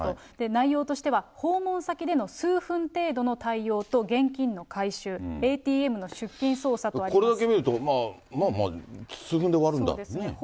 内容としては、訪問先での数分程度の対応と現金の回収、これだけ見ると、まあまあ、そうですね。